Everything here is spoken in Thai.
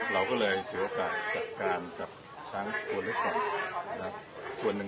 เราก็เลยเจอโอกาสจัดการช้างตัวลูกก่อน